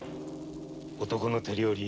男の手料理。